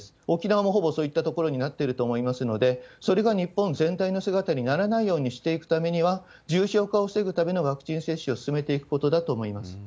沖縄もほぼそういったところになってると思いますので、それが日本全体の姿にならないようにしていくためには、重症化を防ぐためのワクチン接種を進めていくことだと思います。